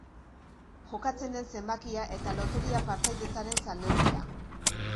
Jokatzen den zenbakia eta loteria-partaidetzaren salneurria.